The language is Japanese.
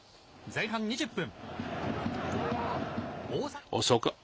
前半２０分。